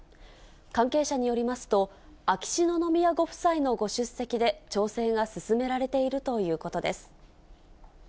関係者によりますと、秋篠宮ご夫妻のご出席で調整が進められているということです。